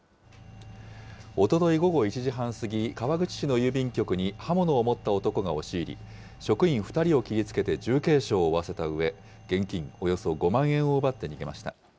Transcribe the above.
おととい午後１時半過ぎ、川口市の郵便局に刃物を持った男が押し入り、職員２人を切りつけて重軽傷を負わせたうえ、現金およそ５万円を奪って逃げました。